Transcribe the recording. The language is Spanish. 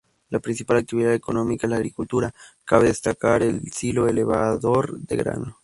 La principal actividad económica es la agricultura, cabe destacar el silo elevador de grano.